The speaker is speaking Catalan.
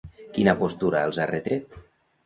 Quina postura els ha retret?